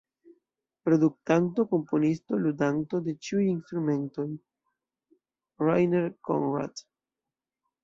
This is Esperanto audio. Produktanto, komponisto, ludanto de ĉiuj instrumentoj: Rainer Conrad.